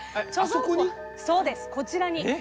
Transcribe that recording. そうですこちらに。